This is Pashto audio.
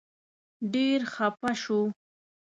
ډېر خپه شو.